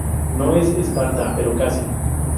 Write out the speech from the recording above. No es Esparta, pero casi".